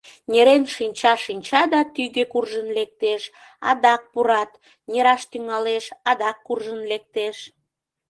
Нерен шинча-шинча да тӱгӧ куржын лектеш, адак пурат, нераш тӱҥалеш, адак куржын лектеш.